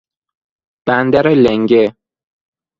بندر لنگه